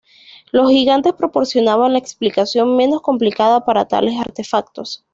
Los gigantes proporcionaban la explicación menos complicada para tales artefactos.